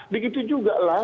begitu juga lah